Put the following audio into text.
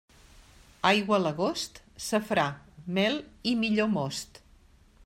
Aigua a l'agost, safrà, mel i millor most.